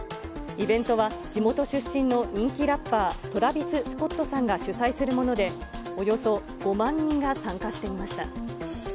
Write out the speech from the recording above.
イベントは地元出身の人気ラッパー、トラビス・スコットさんが主催するもので、およそ５万人が参加していました。